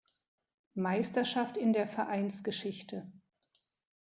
Meisterschaft in der Vereinsgeschichte.